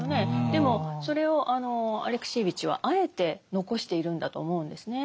でもそれをアレクシエーヴィチはあえて残しているんだと思うんですね。